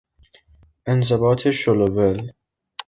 انضباط شل و ول